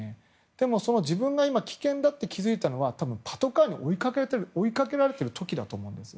でも自分が危険だと気付いたのは多分パトカーに追いかけられている時だと思います。